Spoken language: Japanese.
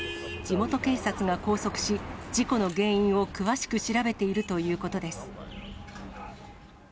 地元警察が拘束し、事故の原因を詳しく調べているということです。